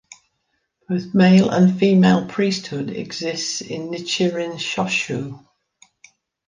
Both male and female priesthood exists in Nichiren Shoshu.